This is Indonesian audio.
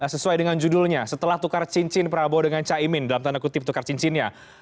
sesuai dengan judulnya setelah tukar cincin prabowo dengan caimin dalam tanda kutip tukar cincinnya